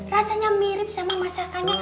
rasanya mirip sama masakannya